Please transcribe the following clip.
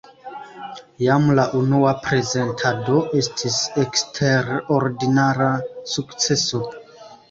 Jam la unua prezentado estis eksterordinara sukceso.